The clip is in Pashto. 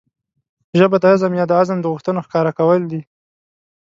ژبه د عزم يا د عزم د غوښتنو ښکاره کول دي.